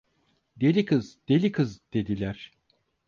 "Deli kız, deli kız!" dediler.